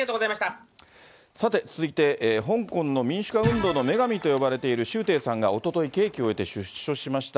さて続いて、香港の民主化運動の女神と呼ばれている周庭さんが、おととい、刑期を終えて出所しました。